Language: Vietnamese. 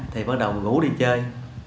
thì bắt đầu ngủ đi chơi